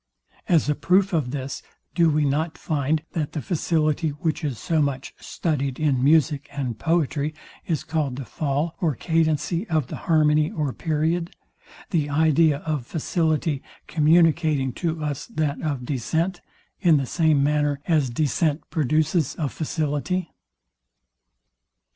As a proof of this, do we not find, that the facility, which is so much studyed in music and poetry, is called the fail or cadency of the harmony or period; the idea of facility communicating to us that of descent, in the same manner as descent produces a facility?